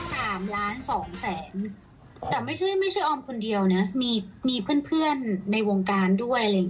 ตามร้านสองแสนอะไม่ใช่ไม่ใช่ผมคนเดียวนะมีมีเพื่อนในวงการด้วยเลยอย่าง